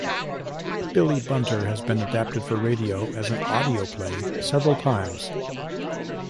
Billy Bunter has been adapted for radio as an audio play several times.